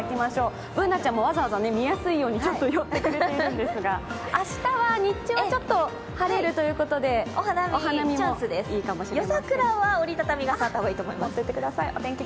Ｂｏｏｎａちゃんもわざわざ見やすいように、ちょっと寄ってくれているんですが、明日は日中はちょっと晴れるということでお花見もいいかもしれません。